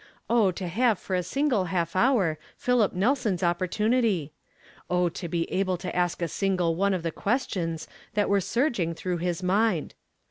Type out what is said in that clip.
Oh to have for a single half hour Philip Xelson's opportunity ! Oh to be able to ask a single one of the questions that were surging through his mind!